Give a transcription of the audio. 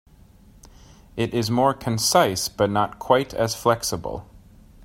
It is more concise but not quite as flexible.